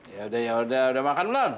ya udah ya udah udah makan belum